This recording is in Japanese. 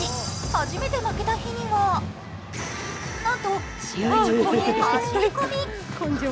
初めて負けた日にはなんと試合直後に走り込み。